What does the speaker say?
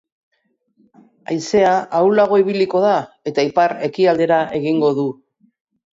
Haizea ahulago ibiliko da eta ipar-ekialdera egingo du.